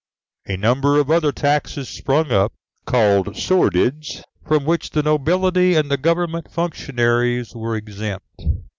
A number of other taxes sprung up, called sordides, from which the nobility and the government functionaries were exempt.